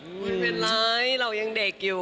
ไม่เป็นไรเรายังเด็กอยู่